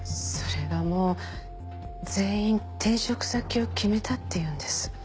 それがもう全員転職先を決めたって言うんです。